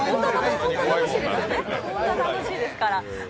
本当は楽しいですから。